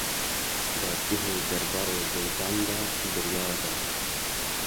Dadgehê derbarê Zeydan de biryar da.